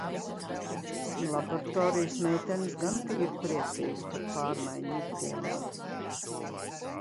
Laboratorijas meitenes gan tīri priecīgas par pārmaiņu ikdienā.